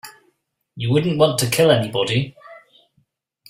You wouldn't want to kill anybody.